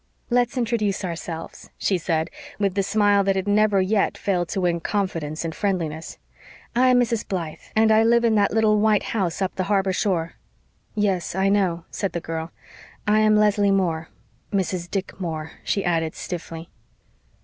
"Let's introduce ourselves," she said, with the smile that had never yet failed to win confidence and friendliness. "I am Mrs. Blythe and I live in that little white house up the harbor shore." "Yes, I know," said the girl. "I am Leslie Moore Mrs. Dick Moore," she added stiffly.